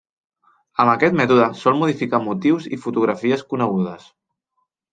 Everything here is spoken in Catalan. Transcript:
Amb aquest mètode sol modificar motius i fotografies conegudes.